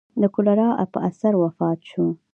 د کولرا په اثر وفات شو.